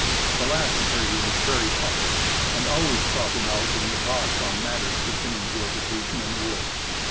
The last phrase is very popular and always cropping out in the talks on matters pertaining to a vacation in the woods.